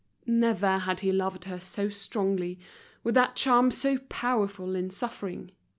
Never had he loved her so strongly, with that charm so powerful in suffering.